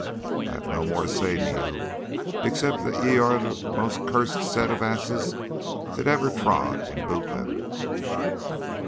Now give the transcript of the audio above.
I have no more to say to you, except that ye are the most cursed set of asses that ever trod in boot leather."